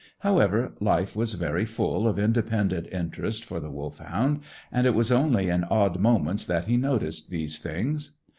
However, life was very full of independent interest for the Wolfhound, and it was only in odd moments that he noticed these things.